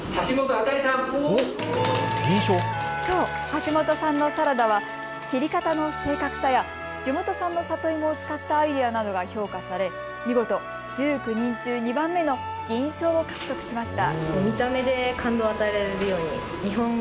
橋本さんのサラダは切り方の正確さや地元産の里芋を使ったアイデアなどが評価され、見事１９人中２番目の銀賞を獲得しました。